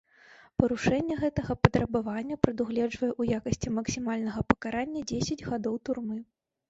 Парушэнне гэтага патрабавання прадугледжвае ў якасці максімальнага пакарання дзесяць гадоў турмы.